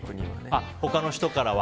他の人からは？